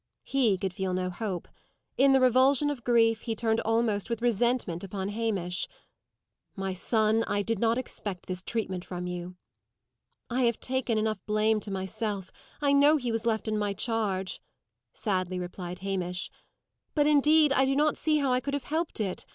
He could feel no hope. In the revulsion of grief, he turned almost with resentment upon Hamish. "My son, I did not expect this treatment from you." "I have taken enough blame to myself; I know he was left in my charge," sadly replied Hamish; "but, indeed, I do not see how I could have helped it.